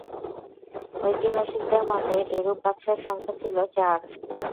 ঐতিহাসিকদের মতে, এরূপ বাদশাহর সংখ্যা ছিল চার।